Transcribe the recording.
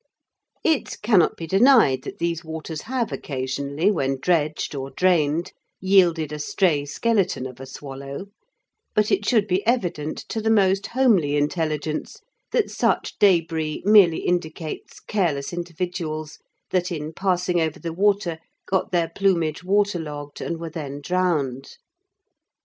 It cannot be denied that these waters have occasionally, when dredged or drained, yielded a stray skeleton of a swallow, but it should be evident to the most homely intelligence that such débris merely indicates careless individuals that, in passing over the water, got their plumage waterlogged and were then drowned.